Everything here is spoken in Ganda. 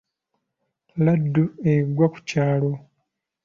Laddu egwa ku kyalo.